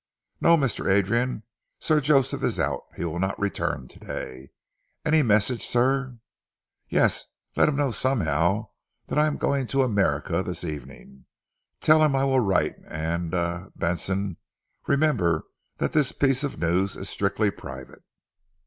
"No, Mr. Adrian, Sir Joseph is out. He will not return today. Any message, sir?" "Yes. Let him know somehow that I'm going to America this evening. Tell him I will write, and er Benson remember that this piece of news is strictly private."